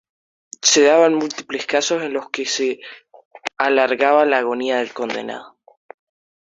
Se daban múltiples casos en los que se alargaba la agonía del condenado.